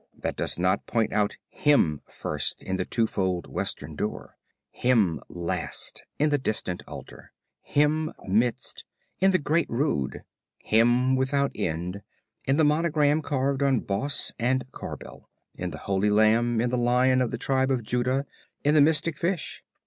that does not point out "HIM First" in the two fold western door; "HIM Last" in the distant altar; "HIM Midst," in the great Rood; "HIM Without End," in the monogram carved on boss and corbel, in the Holy Lamb, in the Lion of the tribe of Judah, in the Mystic Fish?